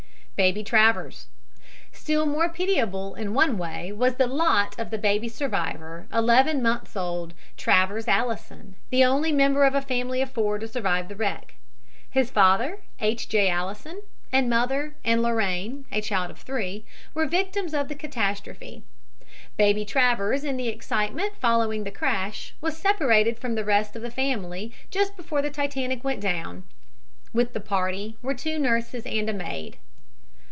BABY TRAVERS Still more pitiable in one way was the lot of the baby survivor, eleven months old Travers Allison, the only member of a family of four to survive the wreck. His father, H. J. Allison, and mother and Lorraine, a child of three, were victims of the catastrophe. Baby Travers, in the excitement following the crash, was separated from the rest of the family just before the Titanic went down. With the party were two nurses and a maid.